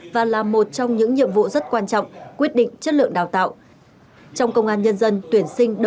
và là một trong những nhiệm vụ rất quan trọng quyết định chất lượng đào tạo